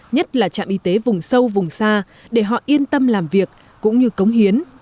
nhất là trạm y tế vùng sâu vùng xa để họ yên tâm làm việc cũng như cống hiến